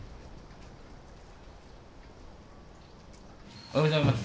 おはようございます。